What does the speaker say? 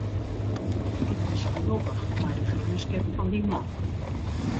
Ik bin sa lokkich mei de freonskip fan dy man.